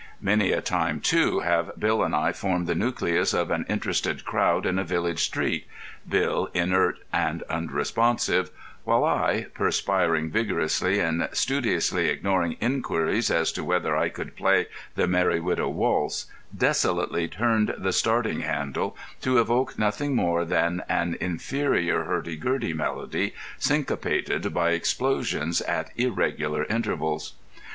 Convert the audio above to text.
Many a time, too, have Bill and I formed the nucleus of an interested crowd in a village street, Bill inert and unresponsive, while I, perspiring vigorously and studiously ignoring inquiries as to whether I could play "The Merry Widow Waltz," desolately turned the starting handle, to evoke nothing more than an inferior hurdy gurdy melody syncopated by explosions at irregular intervals.